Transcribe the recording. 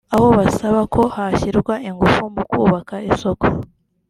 aho basaba ko hashyirwa ingufu mu kubaka isoko